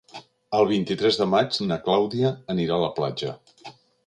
El vint-i-tres de maig na Clàudia anirà a la platja.